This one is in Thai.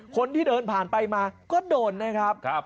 คนที่เดินผ่านไปมาก็โดนนะครับ